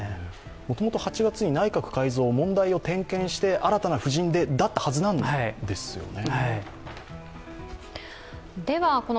もともと８月に内閣改造、問題を点検して新たな布陣でということだったはずなんですよね。